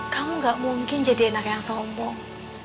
kamu gak mungkin jadi anak yang sombong